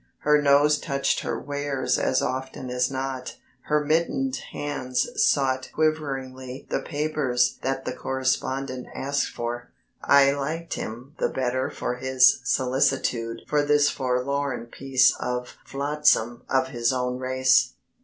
Her nose touched her wares as often as not, her mittened hands sought quiveringly the papers that the correspondent asked for. I liked him the better for his solicitude for this forlorn piece of flotsam of his own race.